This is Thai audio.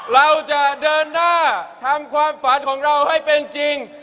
เราจะเดินหน้าทำความฝันของเราให้เป็นจริง